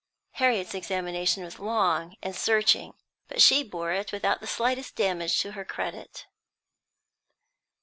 Harriet's examination was long and searching, but she bore it without the slightest damage to her credit.